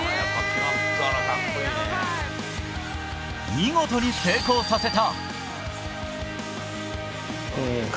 見事に成功させた。